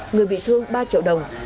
người bị thương ba triệu đồng